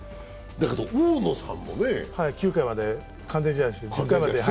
だけど大野さんもね。９回まで完全試合でした。